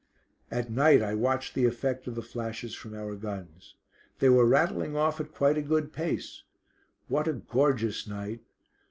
At night I watched the effect of the flashes from our guns. They were rattling off at quite a good pace. What a gorgeous night!